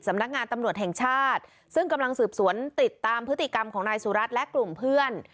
สำนักงานตำรวจแห่งชาติซึ่งกำลังสืบสวนติดตามพฤติกรรมของนายสุรัตน์และกลุ่มเพื่อน